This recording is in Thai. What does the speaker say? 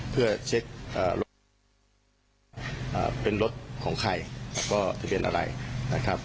เพื่อเช็ครถเป็นรถของใครแล้วก็ทะเบียนอะไรนะครับ